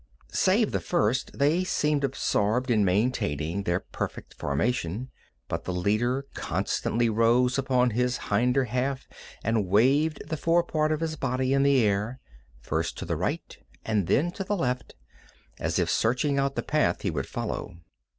Save the first, they seemed absorbed in maintaining their perfect formation, but the leader constantly rose upon his hinder half and waved the fore part of his body in the air, first to the right and then to the left, as if searching out the path he would follow.